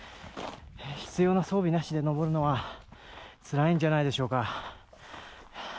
必要な装備なしで登るのはつらいんじゃないでしょうか。